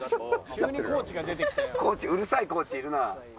コーチうるさいコーチいるな。